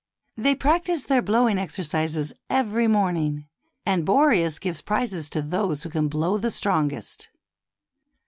They practise their blowing exercises every morning, and Boreas gives prizes to those who can blow the strongest.